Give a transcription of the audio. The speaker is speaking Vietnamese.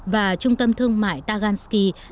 và trung tâm thương mại tagansky